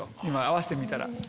今合わせてみたら。